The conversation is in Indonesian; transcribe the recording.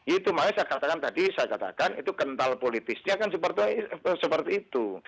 itu makanya saya katakan tadi saya katakan itu kental politisnya kan seperti itu